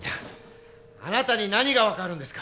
あなたに何が分かるんですか。